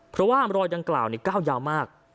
เพราะว่ารอยดังกล่าวก้าวยาวมาก